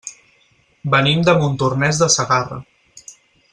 Venim de Montornès de Segarra.